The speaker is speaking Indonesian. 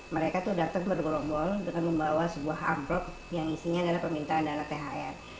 mereka datang bergrombol dengan membawa sebuah amrok yang isinya adalah permintaan dana thr